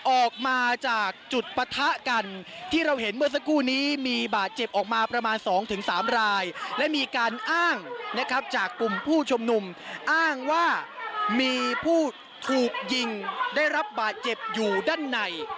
ออกมาจากจุดปะทะกันที่เราเห็นเมื่อสักครู่นี้มีบาดเจ็บออกมาประมาณ๒๓รายและมีการอ้างนะครับจากกลุ่มผู้ชุมนุมอ้างว่ามีผู้ถูกยิงได้รับบาดเจ็บอยู่ด้านใน